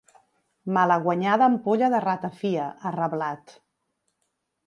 “Malaguanyada ampolla de ratafia”, ha reblat.